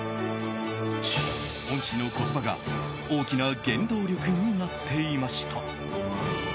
恩師の言葉が大きな原動力になっていました。